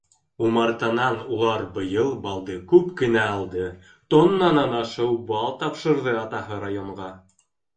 Умартанан улар быйыл балды күп кенә алды, тоннанан ашыу бал тапшырҙы атаһы районға.